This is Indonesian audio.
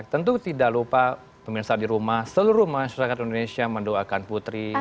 tentu tidak lupa pemirsa di rumah seluruh masyarakat indonesia mendoakan putri